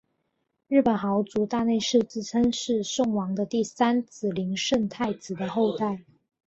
日本豪族大内氏自称是圣王的第三子琳圣太子的后代。